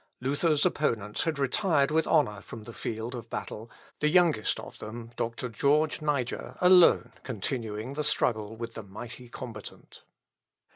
Luther's opponents had retired with honour from the field of battle, the youngest of them, Doctor George Niger, alone continuing the struggle with the mighty combatant.